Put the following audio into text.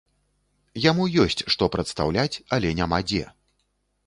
Яму ёсць што прадстаўляць, але няма дзе.